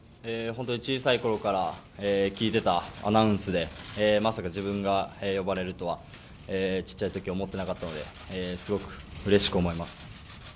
本当に小さいころから聞いていたアナウンスでまさか自分が呼ばれるとはちっちゃいとき思ってなかったので、すごくうれしく思います。